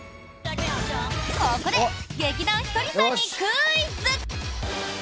ここで劇団ひとりさんにクイズ！